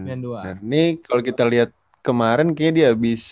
ini kalo kita liat kemarin kayaknya dia abis